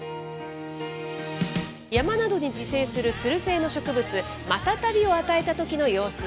山などに自生するつる性の植物、マタタビを与えたときの様子。